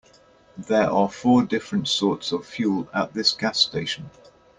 There are four different sorts of fuel at this gas station.